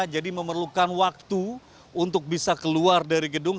jadi memerlukan waktu untuk bisa keluar dari gedung